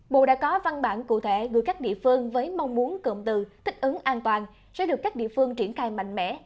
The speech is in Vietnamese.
bộ đã có văn bản cụ thể gửi các địa phương với mong muốn cụm từ thích ứng an toàn sẽ được các địa phương triển khai mạnh mẽ